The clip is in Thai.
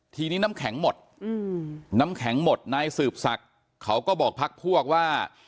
ทีนี้น้ำแข็งหมดน้ำแข็งหมดนายสืบศักดิ์เขาก็บอกพักพวกว่า